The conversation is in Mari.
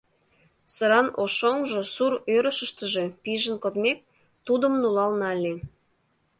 Сыран ош шоҥжо сур ӧрышыштыжӧ пижын кодмек, тудым нулал нале.